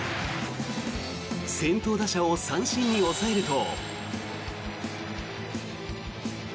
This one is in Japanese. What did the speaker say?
先頭打者を三振に抑えると。